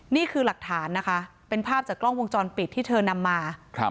นี่คือหลักฐานนะคะเป็นภาพจากกล้องวงจรปิดที่เธอนำมา